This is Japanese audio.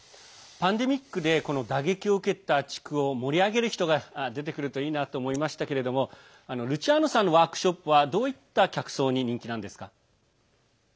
パンデミックで打撃を受けた地区を盛り上げる人が出てくるといいなと思いましたけれどもルチアーノさんのワークショップはどういった客層に人気なんですか。